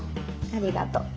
ありがとう。